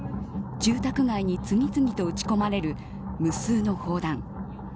住宅街に次々と撃ち込まれる無数の砲弾。